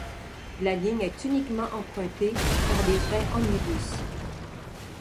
La ligne est uniquement empruntée par des trains omnibus.